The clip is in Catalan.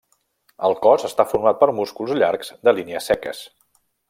El cos està format per músculs llargs, de línies seques.